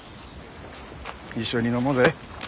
一緒に飲もうぜ。